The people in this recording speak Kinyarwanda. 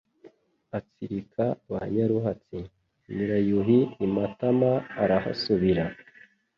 Atsirika ba Nyaruhatsi. NYIRAYUHI I MATAMA Arahasubira